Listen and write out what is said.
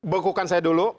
bekukan saya dulu